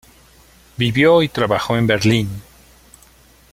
Vivió y trabajó en Berlín.